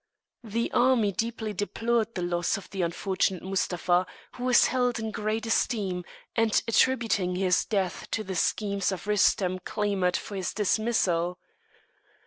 The army deeply deplored the loss of the unfortunate Mustapha, who was held in great esteem, and attributing his death to the schemes of Rustem clamoured for his dismissal.